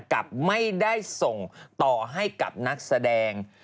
กับไม่ได้ส่งต่อให้กับนักแสดง